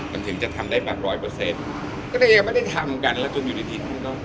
มันถึงจะทำได้แบบร้อยเปอร์เซ็นต์ก็เลยยังไม่ได้ทำกันแล้วจนอยู่ในที่นี้เนอะ